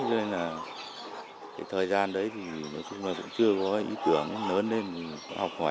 nên là thời gian đấy thì chúng tôi cũng chưa có ý tưởng lớn lên học ngoài